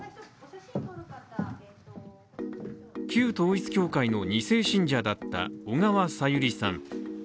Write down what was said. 旧統一教会の２世信者だった小川さゆりさん。